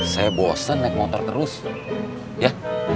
saya bosan naik motor terus ya